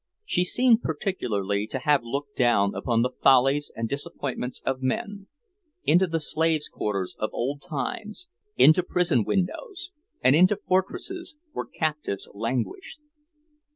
She seemed particularly to have looked down upon the follies and disappointments of men; into the slaves' quarters of old times, into prison windows, and into fortresses where captives languished.